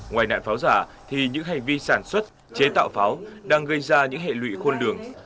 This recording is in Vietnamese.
ngoài nạn pháo giả thì những hành vi sản xuất chế tạo pháo đang gây ra những hệ lụy khôn lường